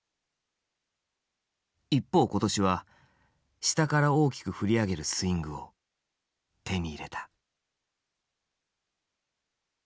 一方今年は下から大きく振り上げるスイングを手に入れた。